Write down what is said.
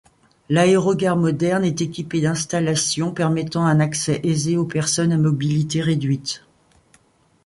L'aérogare moderne est équipée d'installations permettant un accès aisé aux personnes à mobilité réduite.